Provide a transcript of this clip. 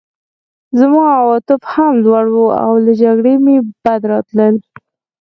زما عواطف هم لوړ وو او له جګړې مې بد راتلل